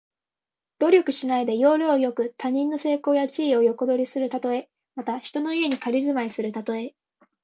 努力しないで、要領よく他人の成功や地位を横取りするたとえ。また、人の家に仮住まいするたとえ。